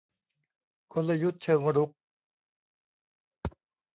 กลยุทธ์เชิงรุก